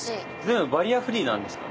バリアフリーなんですか。